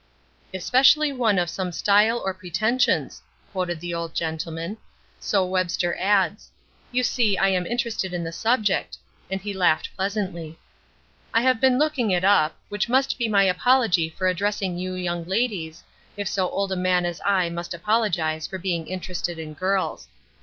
"'Especially one of some style or pretensions,'" quoted the old gentleman, "so Webster adds. You see I am interested in the subject," and he laughed pleasantly. "I have been looking it up, which must be my apology for addressing you young ladies, if so old a man as I must apologize for being interested in girls.